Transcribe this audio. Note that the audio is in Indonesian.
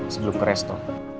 sebelum ke resto